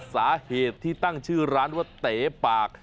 สาเหตุที่ตั้งชื่อร้านว่าเต๋ปาก